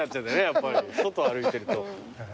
やっぱり外歩いてると。